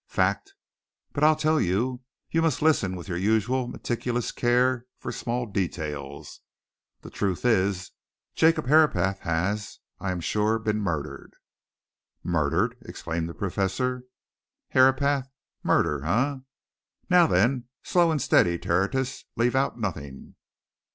Fact! But I'll tell you you must listen with your usual meticulous care for small details. The truth is Jacob Herapath has, I am sure, been murdered!" "Murdered!" exclaimed the Professor. "Herapath? Murder eh? Now then, slow and steady, Tertius leave out nothing!"